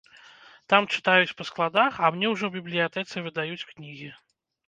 Там чытаюць па складах, а мне ўжо ў бібліятэцы выдаюць кнігі.